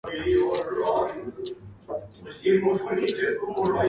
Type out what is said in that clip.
He is the de facto ruler of the region.